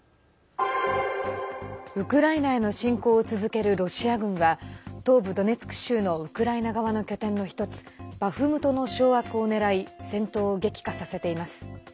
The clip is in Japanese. ウクライナへの侵攻を続けるロシア軍は東部ドネツク州のウクライナ側の拠点の１つバフムトの掌握を狙い戦闘を激化させています。